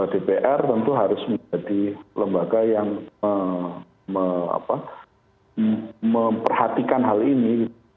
dpr tentu harus menjadi lembaga yang memperhatikan hal ini